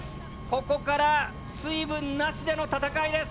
ここから水分なしでの戦いです。